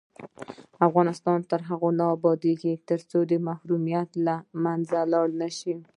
افغانستان تر هغو نه ابادیږي، ترڅو محرومیتونه له منځه لاړ نشي.